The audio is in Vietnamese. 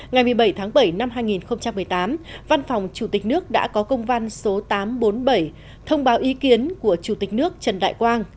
ngày một mươi bảy tháng bảy năm hai nghìn một mươi tám văn phòng chủ tịch nước đã có công văn số tám trăm bốn mươi bảy thông báo ý kiến của chủ tịch nước trần đại quang